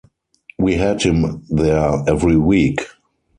We had him there every week.